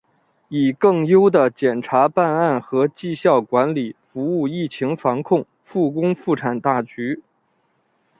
以更优的检察办案和绩效管理服务疫情防控、复工复产大局